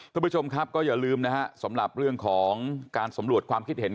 คุณผู้ชมครับก็อย่าลืมนะฮะสำหรับเรื่องของการสำรวจความคิดเห็น